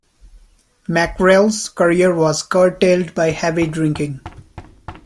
Mackerell's career was curtailed by heavy drinking.